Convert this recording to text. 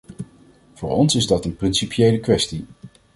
Voor ons is dat een principiële kwestie.